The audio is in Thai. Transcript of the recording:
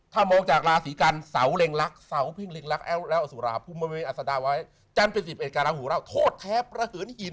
ถ้าราศิกันสาวเล็งรัก